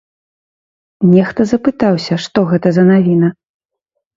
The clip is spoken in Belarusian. Нехта запытаўся, што гэта за навіна.